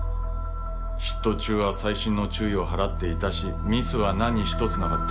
執刀中は細心の注意を払っていたしミスは何一つなかった。